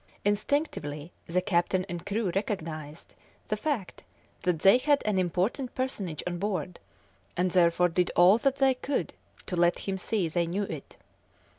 Instinctively the captain and crew recognized the fact that they had an important personage on board, and therefore did all that they could to let him see they knew it.